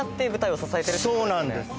そうなんです。